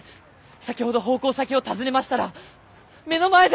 先ほど奉公先を訪ねましたら目の前で！